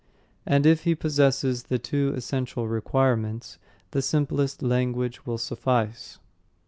And if he possesses the two essential requirements, the simplest language will suffice.